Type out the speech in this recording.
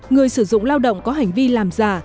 người sử dụng lao động có hành vi làm giả